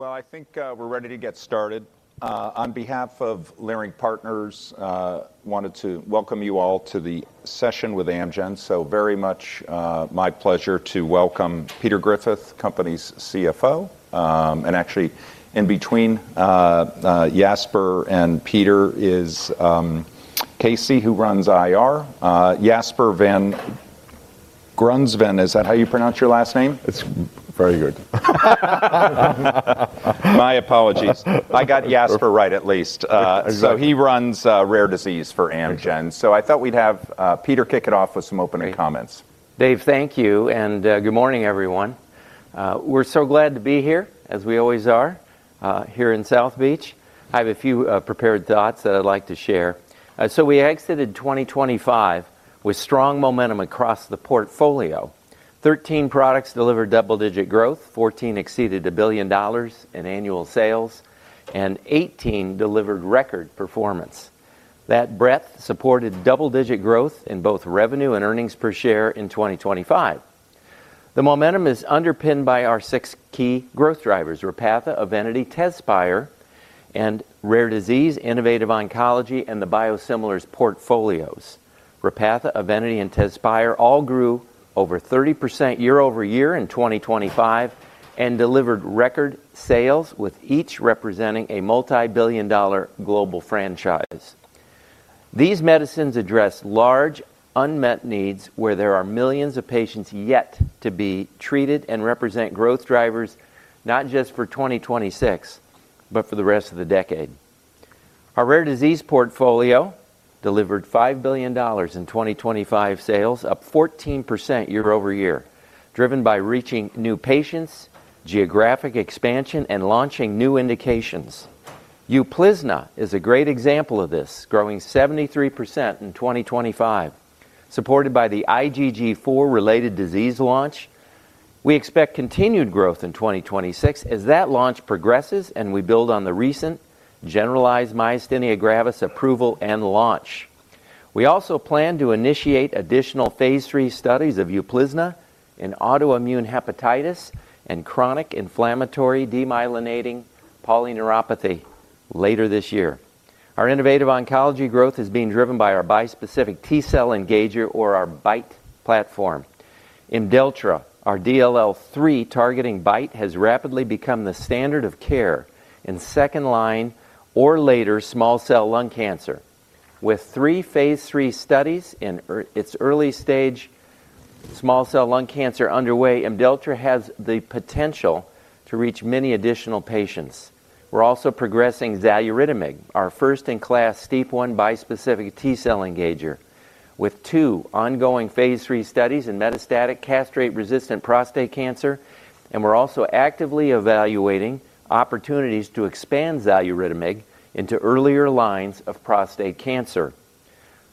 Well, I think we're ready to get started. On behalf of Leerink Partners, I wanted to welcome you all to the session with Amgen. Very much my pleasure to welcome Peter Griffith, the company's CFO. Actually in between Jasper and Peter is Casey, who runs IR. Jasper van Grunsven, is that how you pronounce your last name? It's very good. My apologies. I got Jasper right at least. Exactly. He runs Rare Disease for Amgen. Exactly. I thought we'd have Peter Griffith with some opening comments. Dave, thank you, and good morning, everyone. We're so glad to be here, as we always are, here in South Beach. I have a few prepared thoughts that I'd like to share. We exited 2025 with strong momentum across the portfolio. 13 products delivered double-digit growth, 14 exceeded $1 billion in annual sales, and 18 delivered record performance. That breadth supported double-digit growth in both revenue and earnings per share in 2025. The momentum is underpinned by our six key growth drivers, Repatha, Evenity, Tezspire, and rare disease, innovative oncology, and the biosimilars portfolios. Repatha, Evenity, and Tezspire all grew over 30% year-over-year in 2025 and delivered record sales, with each representing a multi-billion-dollar global franchise. These medicines address large unmet needs where there are millions of patients yet to be treated and represent growth drivers, not just for 2026, but for the rest of the decade. Our rare disease portfolio delivered $5 billion in 2025 sales, up 14% year-over-year, driven by reaching new patients, geographic expansion, and launching new indications. UPLIZNA is a great example of this, growing 73% in 2025, supported by the IgG4 related disease launch. We expect continued growth in 2026 as that launch progresses and we build on the recent generalized myasthenia gravis approval and launch. We also plan to initiate additional phase III studies of UPLIZNA in autoimmune hepatitis and chronic inflammatory demyelinating polyneuropathy later this year. Our innovative oncology growth is being driven by our bispecific T-cell engager or our BiTE platform. IMDELLTRA, our DLL3-targeting BiTE, has rapidly become the standard of care in second-line or later small cell lung cancer. With three phase III studies in earlier-stage small cell lung cancer underway, IMDELLTRA has the potential to reach many additional patients. We're also progressing Xaluritamig, our first-in-class STEAP1 bispecific T-cell engager, with two ongoing phase III studies in metastatic castrate-resistant prostate cancer. We're also actively evaluating opportunities to expand Xaluritamig into earlier lines of prostate cancer.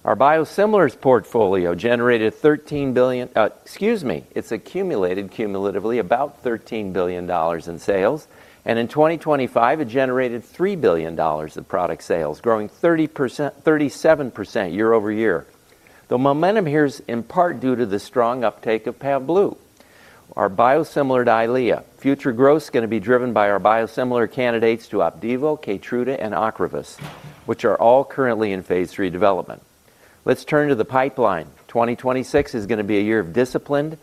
Our biosimilars portfolio generated $13 billion. It's accumulated cumulatively about $13 billion in sales, and in 2025 it generated $3 billion of product sales, growing 37% year-over-year. The momentum here is in part due to the strong uptake of Pavblu, our biosimilar EYLEA. Future growth is going to be driven by our biosimilar candidates to OPDIVO, KEYTRUDA, and OCREVUS, which are all currently in phase III development. Let's turn to the pipeline. 2026 is gonna be a year of disciplined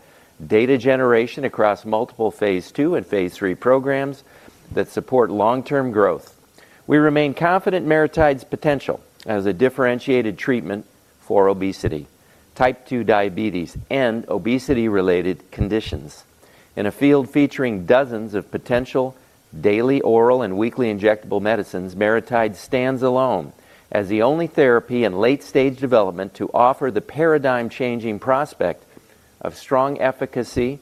data generation across multiple phase II and phase III programs that support long-term growth. We remain confident in MariTide's potential as a differentiated treatment for obesity, type 2 diabetes, and obesity-related conditions. In a field featuring dozens of potential daily oral and weekly injectable medicines, MariTide stands alone as the only therapy in late-stage development to offer the paradigm-changing prospect of strong efficacy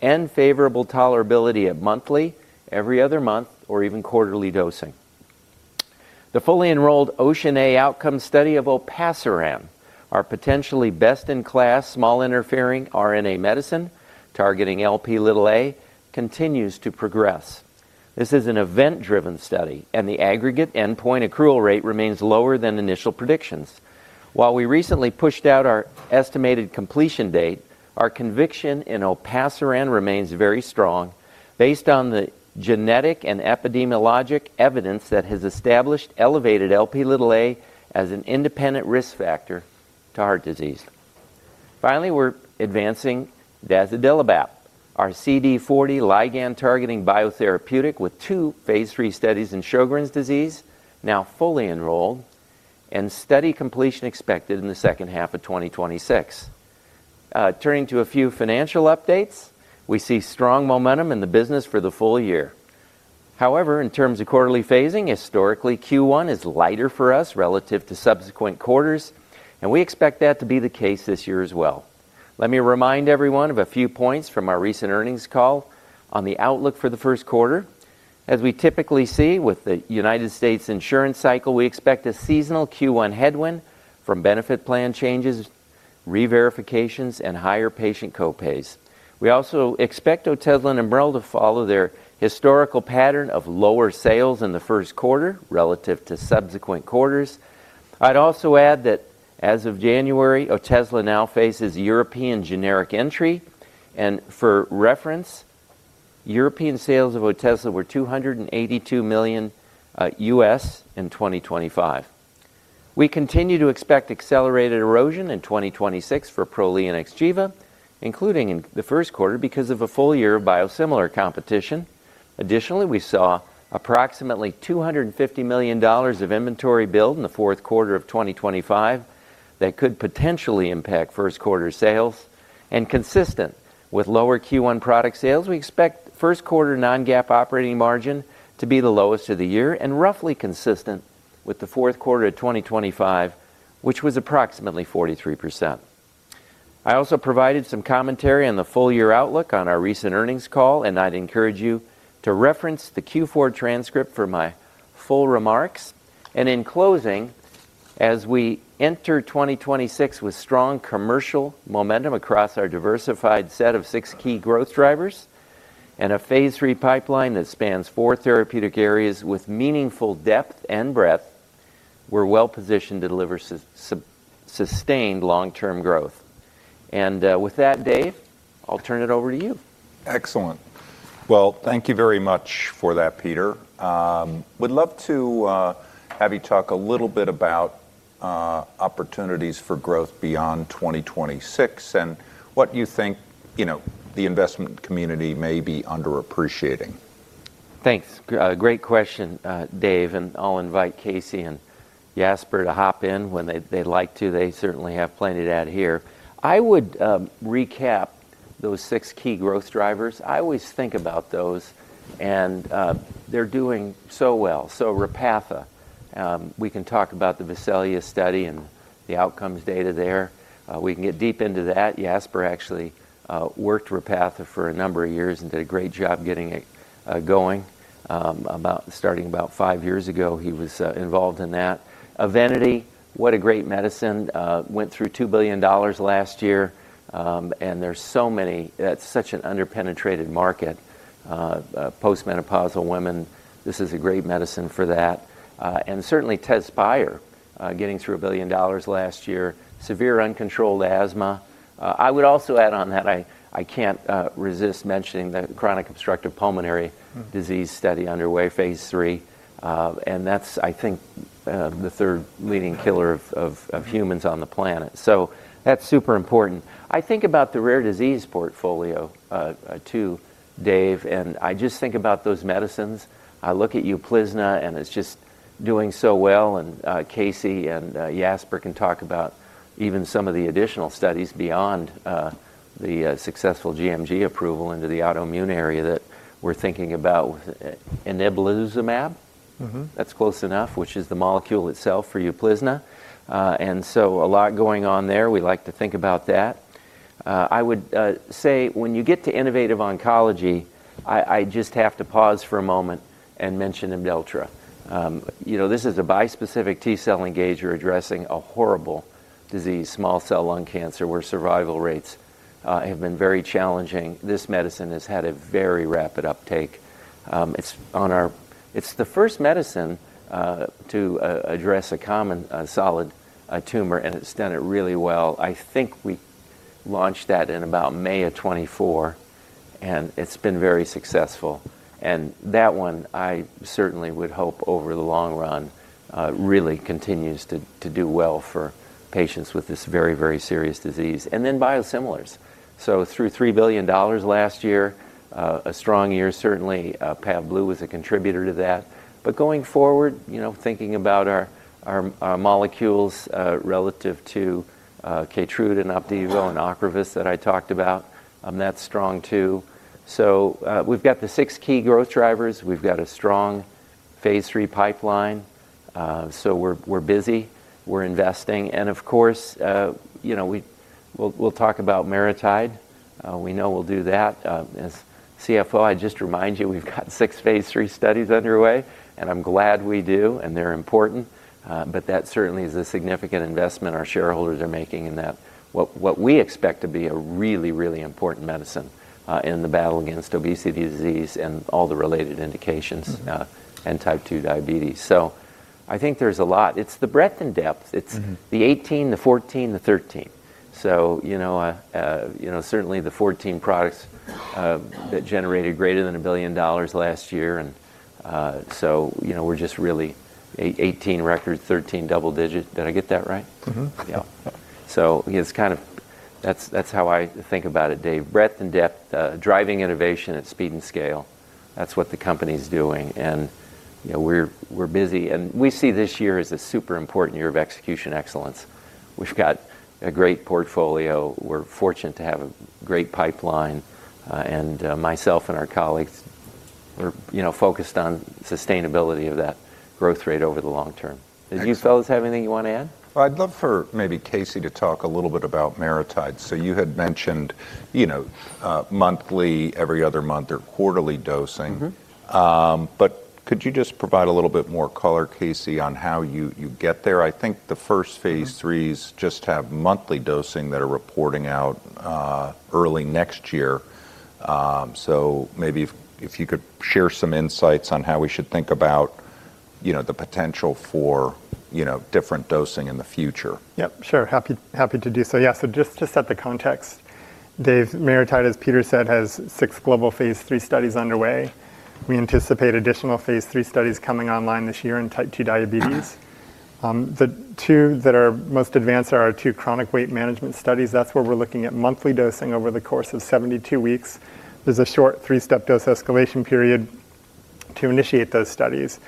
and favorable tolerability at monthly, every other month, or even quarterly dosing. The fully enrolled OCEAN(a) outcome study of Olpasiran, our potentially best-in-class small interfering RNA medicine targeting Lp(a), continues to progress. This is an event-driven study, and the aggregate endpoint accrual rate remains lower than initial predictions. While we recently pushed out our estimated completion date, our conviction in Olpasiran remains very strong based on the genetic and epidemiologic evidence that has established elevated Lp as an independent risk factor to heart disease. Finally, we're advancing Dazodalibep, our CD40 ligand-targeting biotherapeutic with two phase III studies in Sjögren's disease, now fully enrolled and study completion expected in the second half of 2026. Turning to a few financial updates. We see strong momentum in the business for the full year. However, in terms of quarterly phasing, historically, Q1 is lighter for us relative to subsequent quarters, and we expect that to be the case this year as well. Let me remind everyone of a few points from our recent earnings call on the outlook for the first quarter. As we typically see with the United States insurance cycle, we expect a seasonal Q1 headwind from benefit plan changes, reverifications, and higher patient co-pays. We also expect Otezla and IMRALDI to follow their historical pattern of lower sales in the first quarter relative to subsequent quarters. I'd also add, as of January, Otezla now faces European generic entry. For reference, European sales of Otezla were $282 million in 2025. We continue to expect accelerated erosion in 2026 for Prolia and XGEVA, including in the first quarter because of a full year of biosimilar competition. Additionally, we saw approximately $250 million of inventory build in the fourth quarter of 2025 that could potentially impact first quarter sales. Consistent with lower Q1 product sales, we expect first quarter non-GAAP operating margin to be the lowest of the year and roughly consistent with the fourth quarter of 2025, which was approximately 43%. I also provided some commentary on the full year outlook on our recent earnings call, and I'd encourage you to reference the Q4 transcript for my full remarks. In closing, as we enter 2026 with strong commercial momentum across our diversified set of six key growth drivers and a phase III pipeline that spans four therapeutic areas with meaningful depth and breadth, we're well-positioned to deliver sustained long-term growth. With that, Dave, I'll turn it over to you. Excellent. Well, thank you very much for that, Peter. Would love to have you talk a little bit about opportunities for growth beyond 2026 and what you think, you know, the investment community may be underappreciating? Thanks. Great question, Dave, and I'll invite Casey and Jasper to hop in when they'd like to. They certainly have plenty to add here. I would recap those six key growth drivers. I always think about those, and they're doing so well. Repatha, we can talk about the VESALIUS study and the outcomes data there. We can get deep into that. Jasper actually worked Repatha for a number of years and did a great job getting it going, starting about five years ago, he was involved in that. Evenity, what a great medicine. Went through $2 billion last year, and there's so many, that's such an under-penetrated market. Postmenopausal women, this is a great medicine for that. Certainly Tezspire getting through $1 billion last year, severe uncontrolled asthma. I would also add that I can't resist mentioning the chronic obstructive pulmonary disease study underway, phase III. That's, I think, the third leading killer of humans on the planet. So that's super important. I think about the rare disease portfolio too, Dave, and I just think about those medicines. I look at UPLIZNA, and it's just doing so well, and Casey and Jasper can talk about even some of the additional studies beyond the successful GMG approval into the autoimmune area that we're thinking about with Inebilizumab. That's close enough, which is the molecule itself for UPLIZNA. A lot going on there. We like to think about that. I would say when you get to innovative oncology, I just have to pause for a moment and mention IMDELLTRA. You know, this is a bispecific T-cell engager addressing a horrible disease, small cell lung cancer, where survival rates have been very challenging. This medicine has had a very rapid uptake. It's the first medicine to address a common solid tumor, and it's done it really well. I think we launched that in about May of 2024, and it's been very successful. That one, I certainly would hope over the long run, really continues to do well for patients with this very, very serious disease. Biosimilars. $3 billion last year, a strong year certainly, Pavblu was a contributor to that. Going forward, you know, thinking about our molecules relative to KEYTRUDA and OPDIVO and OCREVUS that I talked about, that's strong too. We've got the six key growth drivers. We've got a strong phase III pipeline, so we're busy, we're investing. Of course, you know, we'll talk about MariTide. We know we'll do that. As CFO, I'd just remind you, we've got six phase III studies underway, and I'm glad we do, and they're important. That certainly is a significant investment our shareholders are making in what we expect to be a really important medicine in the battle against obesity disease and all the related indications. Type 2 diabetes. I think there's a lot. It's the breadth and depth. It's the 18, the 14, the 13. You know, certainly the 14 products that generated greater than $1 billion last year and, so, you know, we're just really 18 record, 13 double digit. Did I get that right? It's kind of that. That's how I think about it, Dave. Breadth and depth, driving innovation at speed and scale. That's what the company's doing. You know, we're busy, and we see this year as a super important year of execution excellence. We've got a great portfolio. We're fortunate to have a great pipeline, and myself and our colleagues, we're focused on sustainability of that growth rate over the long term. Excellent. Did you fellows have anything you want to add? I'd love for maybe Casey to talk a little bit about MariTide. You had mentioned, you know, monthly, every other month, or quarterly dosing. Could you just provide a little bit more color, Casey, on how you get there? I think the first phase IIIs just have monthly dosing that are reporting out early next year. So maybe if you could share some insights on how we should think about you know, the potential for, you know, different dosing in the future? Yep, sure. Happy to do so. Yeah, just to set the context, Dave, MariTide, as Peter said, has six global Phase III studies underway. We anticipate additional phase III studies coming online this year in Type 2 diabetes. The two that are most advanced are our two chronic weight management studies. That's where we're looking at monthly dosing over the course of 72 weeks. There's a short three-step dose escalation period to initiate those studies.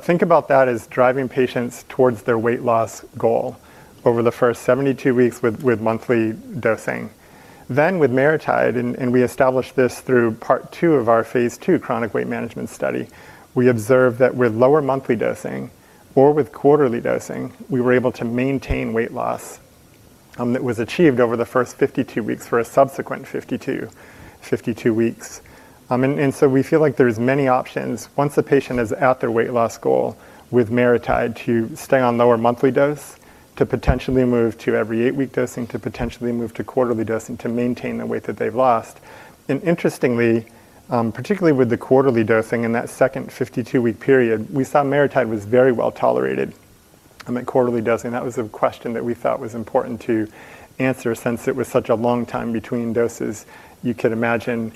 Think about that as driving patients towards their weight loss goal over the first 72 weeks with monthly dosing. With MariTide, we established this through Part two of our phase II chronic weight management study. We observed that with lower monthly dosing or with quarterly dosing, we were able to maintain weight loss that was achieved over the first 52 weeks for a subsequent 52 weeks. We feel like there's many options once the patient is at their weight loss goal with MariTide to stay on lower monthly dose, to potentially move to every eight-week dosing, to potentially move to quarterly dosing to maintain the weight that they've lost. Interestingly, particularly with the quarterly dosing in that second 52-week period, we saw MariTide was very well-tolerated at quarterly dosing. That was a question that we thought was important to answer since it was such a long time between doses. You could imagine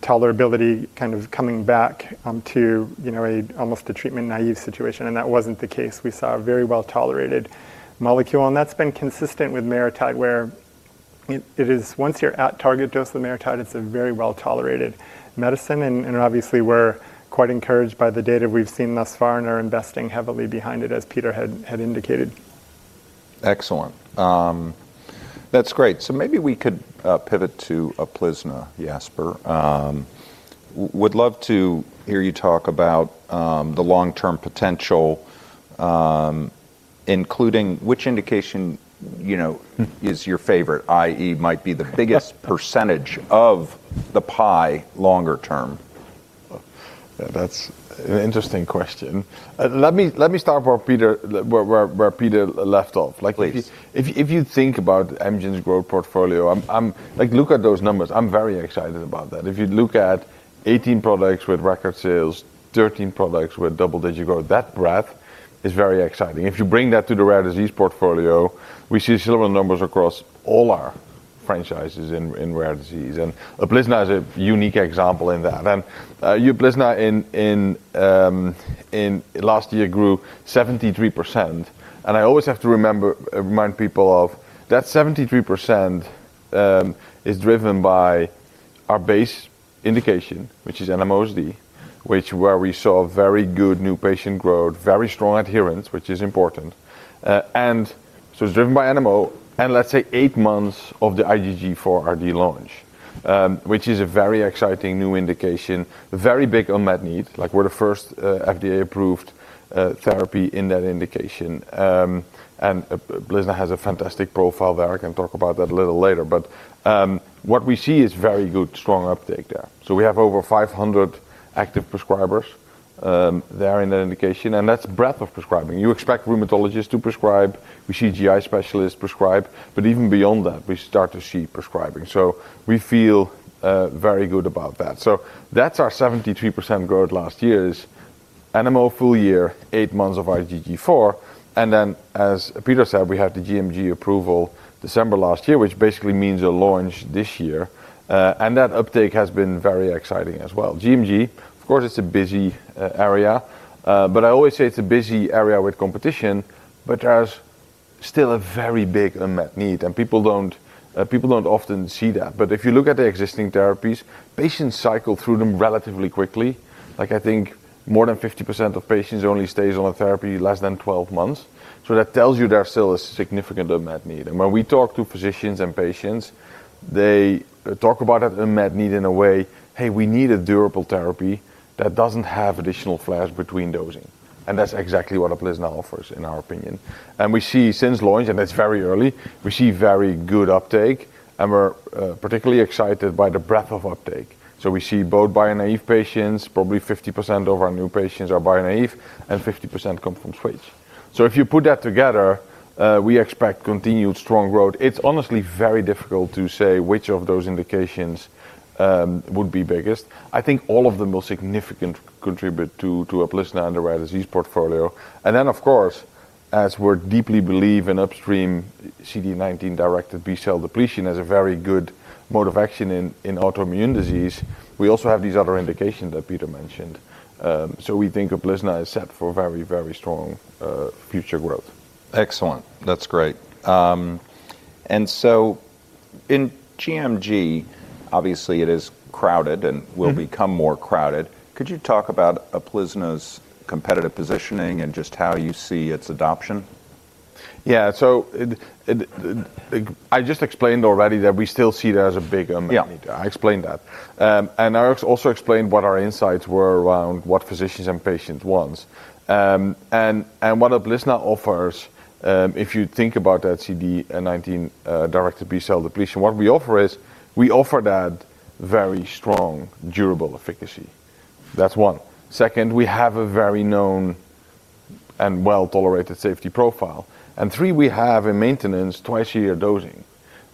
tolerability kind of coming back to, you know, almost a treatment-naïve situation, and that wasn't the case. We saw a very well-tolerated molecule, and that's been consistent with MariTide, where it is. Once you're at target dose with larotide, it's a very well-tolerated medicine and obviously we're quite encouraged by the data we've seen thus far and are investing heavily behind it, as Peter had indicated. Excellent. That's great. Maybe we could pivot to UPLIZNA, Jasper? Would love to hear you talk about the long-term potential, including which indication, you know, is your favorite, i.e., might be the biggest percentage of the pie longer term? That's an interesting question. Let me start where Peter left off. Please. Like if you think about Amgen's growth portfolio, I'm like, look at those numbers. I'm very excited about that. If you look at 18 products with record sales, 13 products with double-digit growth, that breadth is very exciting. If you bring that to the rare disease portfolio, we see similar numbers across all our franchises in rare disease, and UPLIZNA is a unique example in that. UPLIZNA in last year grew 73%, and I always have to remember, remind people of that 73%, is driven by our base indication, which is NMOSD, where we saw very good new patient growth, very strong adherence, which is important. It's driven by NMO and let's say eight months of the IgG4-RD launch, which is a very exciting new indication, very big unmet need. Like, we're the first FDA-approved therapy in that indication. UPLIZNA has a fantastic profile there. I can talk about that a little later. What we see is very good, strong uptake there. We have over 500 active prescribers there in that indication, and that's breadth of prescribing. You expect rheumatologists to prescribe. We see GI specialists prescribe. Even beyond that, we start to see prescribing. We feel very good about that. That's our 73% growth last year is NMO full year, eight months of IgG4, and then as Peter said, we had the GMG approval December last year, which basically means a launch this year. That uptake has been very exciting as well. GMG, of course, but I always say it's a busy area with competition, but there's still a very big unmet need, and people don't often see that. If you look at the existing therapies, patients cycle through them relatively quickly. Like I think more than 50% of patients only stays on a therapy less than 12 months. That tells you there's still a significant unmet need. When we talk to physicians and patients, they talk about the unmet need in a way, "Hey, we need a durable therapy that doesn't have additional flares between dosing." That's exactly what UPLIZNA offers, in our opinion. We see since launch, and that's very early, we see very good uptake, and we're particularly excited by the breadth of uptake. We see both biologic-naïve patients, probably 50% of our new patients are biologic-naïve, and 50% come from switch. If you put that together, we expect continued strong growth. It's honestly very difficult to say which of those indications would be biggest. I think all of them will significantly contribute to UPLIZNA and the rare disease portfolio. Then, of course, as we deeply believe in upstream CD19-directed B-cell depletion as a very good mode of action in autoimmune disease, we also have these other indications that Peter mentioned. We think UPLIZNA is set for very, very strong future growth. Excellent. That's great. In GMG, obviously it is crowded and- Will become more crowded. Could you talk about UPLIZNA's competitive positioning and just how you see its adoption? I just explained already that we still see it as a big unmet need. Yeah. I explained that. I also explained what our insights were around what physicians and patient wants. What UPLIZNA offers, if you think about that CD19 directed B-cell depletion, what we offer is we offer that very strong, durable efficacy. That's one. Second, we have a very known and well-tolerated safety profile. Three, we have a maintenance twice-a-year dosing.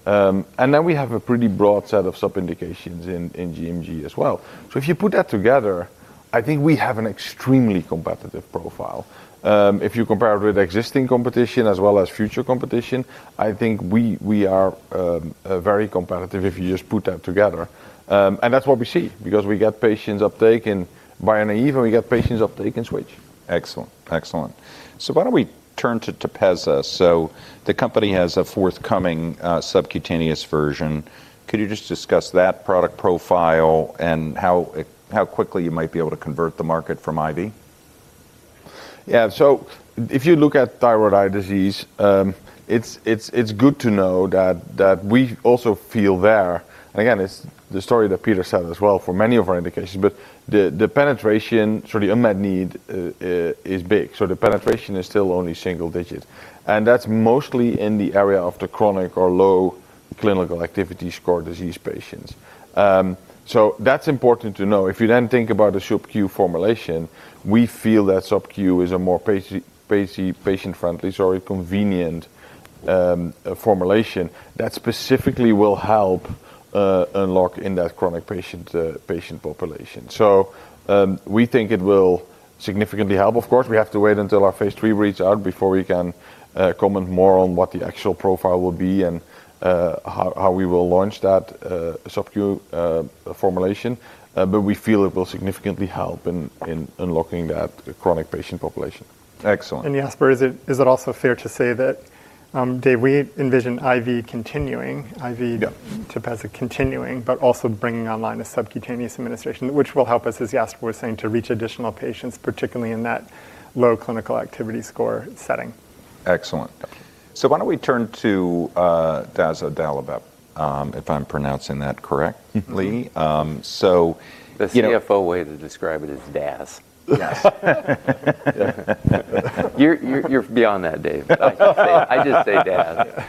Then we have a pretty broad set of sub-indications in GMG as well. If you put that together, I think we have an extremely competitive profile. If you compare it with existing competition as well as future competition, I think we are very competitive if you just put that together. That's what we see because we get patients uptake in bio and even we get patients uptake in switch. Excellent. Why don't we turn to TEPEZZA? The company has a forthcoming subcutaneous version. Could you just discuss that product profile and how quickly you might be able to convert the market from IV? Yeah. So if you look at Thyroid Eye Disease, it's good to know that we also feel there. Again, it's the story that Peter said as well for many of our indications. The penetration for the unmet need is big. The penetration is still only single digits, and that's mostly in the area of the chronic or low Clinical Activity Score disease patients. That's important to know. If you then think about the subq formulation, we feel that subq is a more patient-friendly, sorry, convenient formulation that specifically will help unlock in that chronic patient population. We think it will significantly help. Of course, we have to wait until our phase three reads out before we can comment more on what the actual profile will be and how we will launch that subq formulation. We feel it will significantly help in unlocking that chronic patient population. Excellent. Jasper, is it also fair to say that, Dave, we envision IV continuing. Yeah. TEPEZZA continuing, but also bringing online a subcutaneous administration, which will help us, as Jasper was saying, to reach additional patients, particularly in that low Clinical Activity Score setting. Excellent. Why don't we turn to Dazodalibep, if I'm pronouncing that correctly. You know. The CFO way to describe it is DAS. Yes. You're beyond that, Dave. I just say DAS.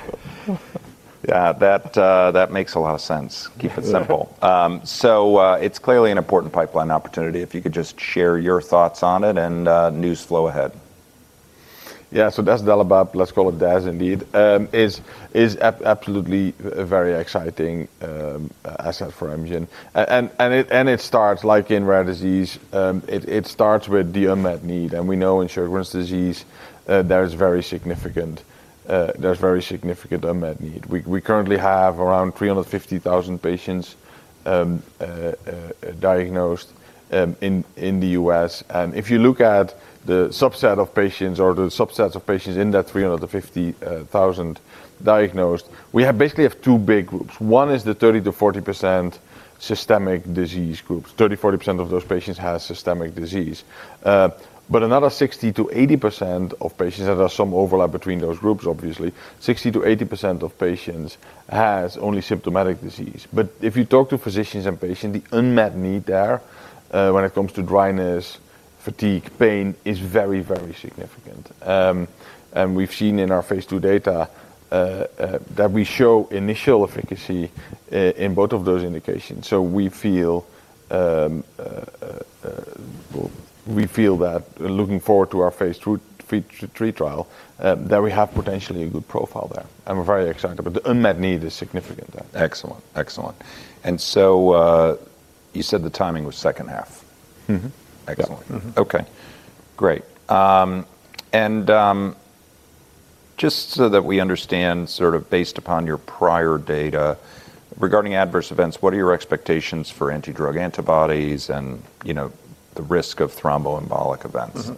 Yeah. That makes a lot of sense. Keep it simple. Yeah. It's clearly an important pipeline opportunity. If you could just share your thoughts on it and news flow ahead? Dazodalibep, let's call it DAS indeed, is absolutely a very exciting asset for Amgen. It starts like in rare disease. It starts with the unmet need, and we know in Sjögren's disease, there is very significant unmet need. We currently have around 350,000 patients diagnosed in the U.S. If you look at the subset of patients or the subsets of patients in that 350,000 diagnosed, we basically have two big groups. One is the 30%-40% systemic disease groups. 30%-40% of those patients have systemic disease. But another 60%-80% of patients, there are some overlap between those groups obviously. 60%-80% of patients has only symptomatic disease. If you talk to physicians and patient, the unmet need there, when it comes to dryness, fatigue, pain, is very, very significant. We've seen in our phase II data that we show initial efficacy in both of those indications. We feel that looking forward to our phase 2/3 trial, that we have potentially a good profile there, and we're very excited. The unmet need is significant there. Excellent. You said the timing was second half. Excellent. Yeah. Okay. Great. Just so that we understand sort of based upon your prior data regarding adverse events, what are your expectations for anti-drug antibodies and, you know, the risk of thromboembolic events?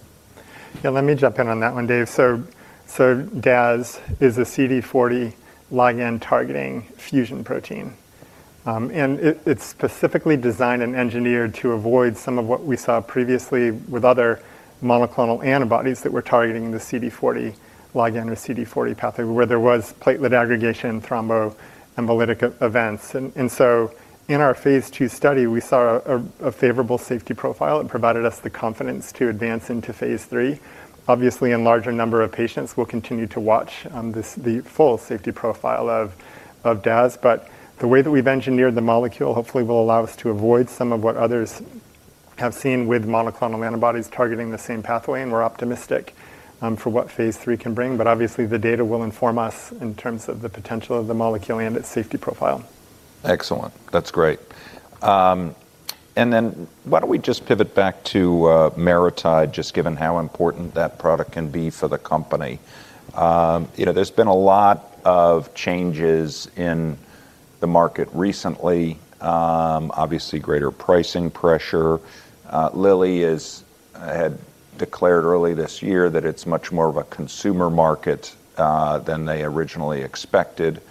Yeah, let me jump in on that one, Dave. DAS is a CD40 ligand-targeting fusion protein. It's specifically designed and engineered to avoid some of what we saw previously with other monoclonal antibodies that were targeting the CD40 ligand or CD40 pathway, where there was platelet aggregation, thromboembolic events. In our phase II study, we saw a favorable safety profile. It provided us the confidence to advance into phase III. Obviously, in larger number of patients, we'll continue to watch the full safety profile of DAS. The way that we've engineered the molecule hopefully will allow us to avoid some of what others have seen with monoclonal antibodies targeting the same pathway, and we're optimistic for what phase III can bring. Obviously, the data will inform us in terms of the potential of the molecule and its safety profile. Excellent. That's great. Then why don't we just pivot back to MariTide, just given how important that product can be for the company? You know, there's been a lot of changes in the market recently. Obviously greater pricing pressure. Lilly had declared early this year that it's much more of a consumer market than they originally expected.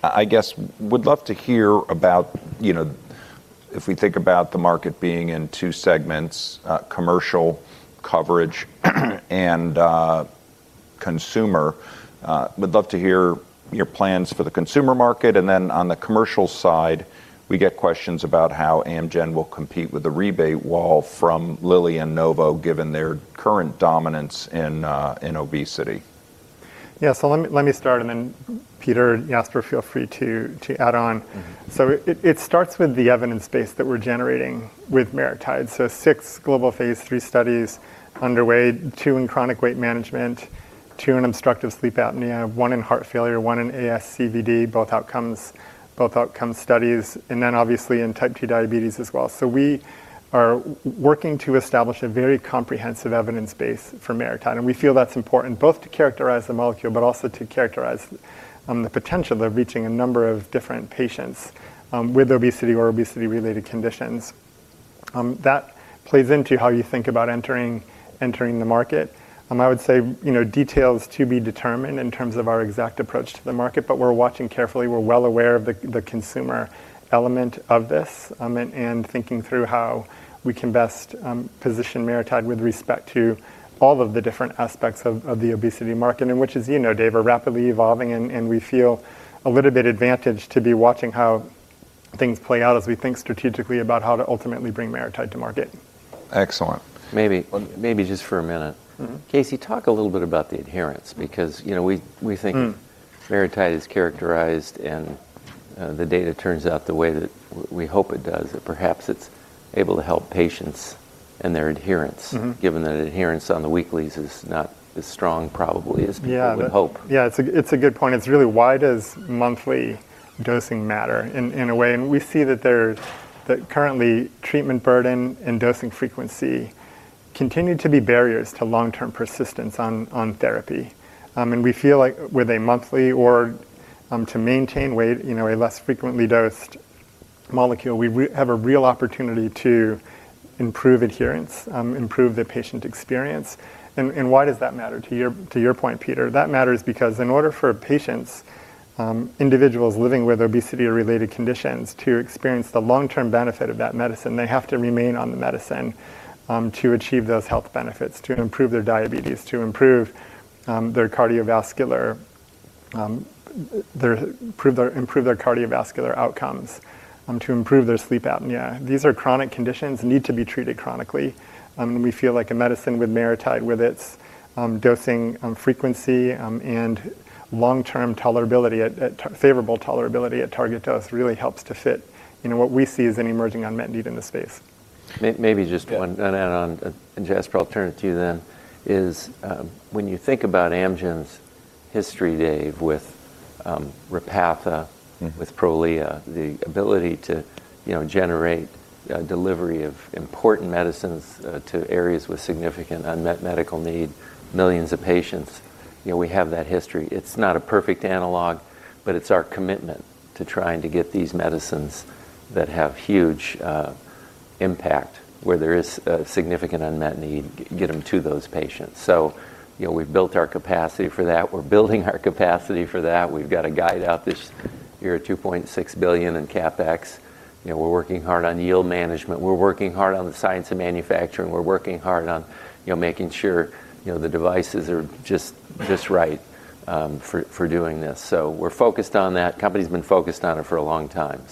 I guess would love to hear about, you know, if we think about the market being in two segments, commercial coverage and consumer, would love to hear your plans for the consumer market? On the commercial side, we get questions about how Amgen will compete with the rebate wall from Lilly and Novo, given their current dominance in obesity? Yeah. Let me start and then Peter, Jasper, feel free to add on. It starts with the evidence base that we're generating with MariTide. Six global phase III studies underway, two in chronic weight management, two in obstructive sleep apnea, one in heart failure, one in ASCVD, both outcome studies, and then obviously in Type 2 diabetes as well. We are working to establish a very comprehensive evidence base for MariTide, and we feel that's important both to characterize the molecule, but also to characterize the potential of reaching a number of different patients with obesity or obesity-related conditions. That plays into how you think about entering the market. I would say, you know, details to be determined in terms of our exact approach to the market, but we're watching carefully. We're well aware of the consumer element of this, and thinking through how we can best position MariTide with respect to all of the different aspects of the obesity market, and which as you know, Dave, are rapidly evolving and we feel a little bit advantaged to be watching how things play out as we think strategically about how to ultimately bring MariTide to market. Excellent. Maybe just for a minute. Casey, talk a little bit about the adherence because, you know, we think? MariTide is characterized and, the data turns out the way that we hope it does, that perhaps it's able to help patients and their adherence. Given that adherence on the weeklies is not as strong probably as people would hope. Yeah. Yeah, it's a good point. It's really why does monthly dosing matter in a way? We see that currently treatment burden and dosing frequency continue to be barriers to long-term persistence on therapy. We feel like with a monthly or to maintain weight, you know, a less frequently dosed molecule, we have a real opportunity to improve adherence, improve the patient experience. Why does that matter? To your point, Peter, that matters because in order for patients individuals living with obesity or related conditions to experience the long-term benefit of that medicine, they have to remain on the medicine to achieve those health benefits, to improve their diabetes, to improve their cardiovascular outcomes, to improve their sleep apnea. These are chronic conditions, need to be treated chronically. We feel like a medicine with MariTide, with its dosing frequency and long-term, favorable tolerability at target dose really helps to fit, you know, what we see as an emerging unmet need in the space. Maybe just one. Yeah. ...Add on, and Jasper, I'll turn it to you then, when you think about Amgen's history, Dave, with Repatha. With Prolia, the ability to, you know, generate delivery of important medicines to areas with significant unmet medical need, millions of patients, you know, we have that history. It's not a perfect analog, but it's our commitment to trying to get these medicines that have huge impact where there is a significant unmet need, get them to those patients. You know, we've built our capacity for that. We're building our capacity for that. We've got a guide out this year, $2.6 billion in CapEx. You know, we're working hard on yield management. We're working hard on the science of manufacturing. We're working hard on, you know, making sure, you know, the devices are just right for doing this. We're focused on that. Company's been focused on it for a long time.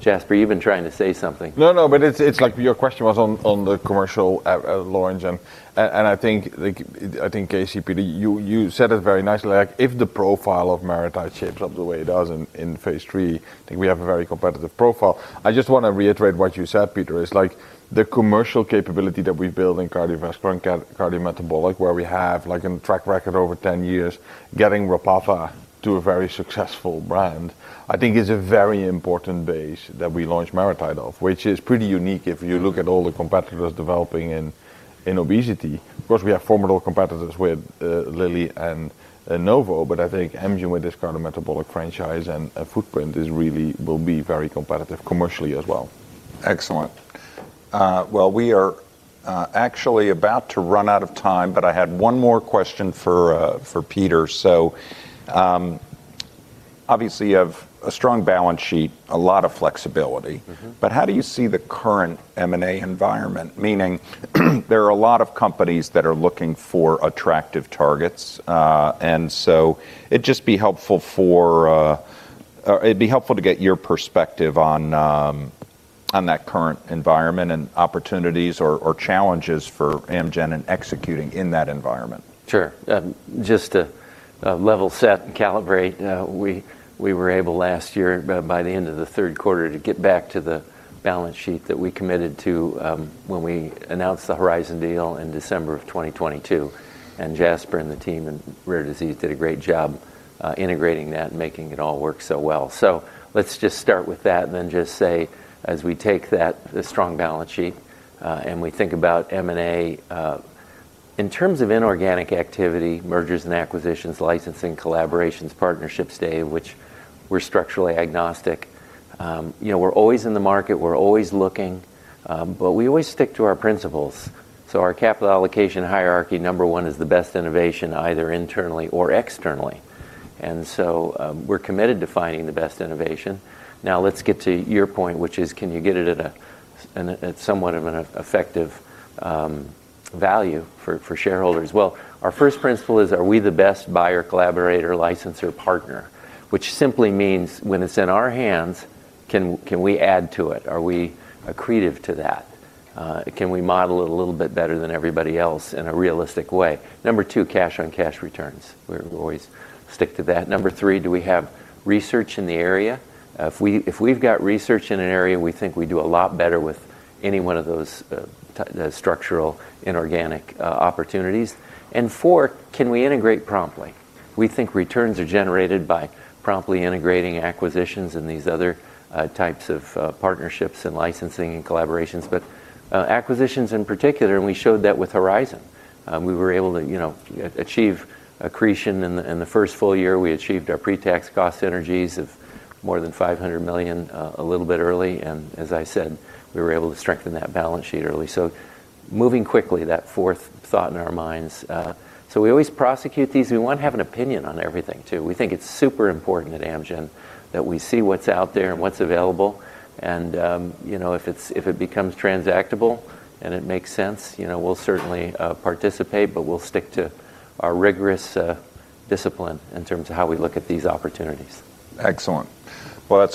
Jasper, you've been trying to say something. It's like your question was on the commercial outlook, and I think Casey, Peter, you said it very nicely, like if the profile of MariTide shapes up the way it does in phase III, I think we have a very competitive profile. I just wanna reiterate what you said, Peter. It's like the commercial capability that we build in cardiovascular and cardiometabolic, where we have a track record over 10 years, getting Repatha to a very successful brand, I think is a very important base that we launch MariTide off, which is pretty unique if you look at all the competitors developing in obesity. Of course, we have formidable competitors with Lilly and Novo, but I think Amgen with this cardiometabolic franchise and footprint will really be very competitive commercially as well. Excellent. Well, we are actually about to run out of time, but I had one more question for Peter. Obviously you have a strong balance sheet, a lot of flexibility. How do you see the current M&A environment? Meaning, there are a lot of companies that are looking for attractive targets. It'd be helpful to get your perspective on that current environment and opportunities or challenges for Amgen in executing in that environment. Sure. Just to level set and calibrate, we were able last year by the end of the third quarter to get back to the balance sheet that we committed to, when we announced the Horizon deal in December of 2022, and Jasper and the team in Rare Disease did a great job integrating that and making it all work so well. Let's just start with that and then just say, as we take that, the strong balance sheet, and we think about M&A in terms of inorganic activity, mergers and acquisitions, licensing, collaborations, partnerships, Dave, which we're structurally agnostic, you know, we're always in the market, we're always looking, but we always stick to our principles. Our capital allocation hierarchy number one is the best innovation either internally or externally. We're committed to finding the best innovation. Now, let's get to your point, which is can you get it at somewhat of an effective value for shareholders? Well, our first principle is are we the best buyer, collaborator, licensor, partner? Which simply means when it's in our hands, can we add to it? Are we accretive to that? Can we model it a little bit better than everybody else in a realistic way? Number two, cash on cash returns. We're always stick to that. Number three, do we have research in the area? If we've got research in an area, we think we do a lot better with any one of those structural inorganic opportunities. Four, can we integrate promptly? We think returns are generated by promptly integrating acquisitions and these other types of partnerships and licensing and collaborations. Acquisitions in particular, and we showed that with Horizon, we were able to, you know, achieve accretion in the first full year. We achieved our pre-tax cost synergies of more than $500 million a little bit early. As I said, we were able to strengthen that balance sheet early. Moving quickly, that fourth thought in our minds. We always prosecute these. We wanna have an opinion on everything too. We think it's super important at Amgen that we see what's out there and what's available. You know, if it becomes transactable and it makes sense, you know, we'll certainly participate, but we'll stick to our rigorous discipline in terms of how we look at these opportunities. Excellent. Well, that's going.